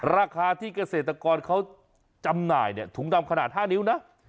ราคาที่เกษตรกรเขาจำหน่ายเนี่ยถุงดำขนาด๕นิ้วนะ